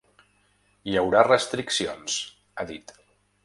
Hi haurà restriccions, ha dit.